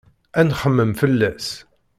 Ad nxemmem fell-as.